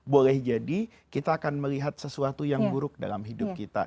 boleh jadi kita akan melihat sesuatu yang buruk dalam hidup kita